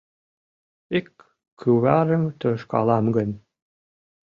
Ик кӱварым тошкалам гын